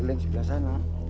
geliling sebelah sana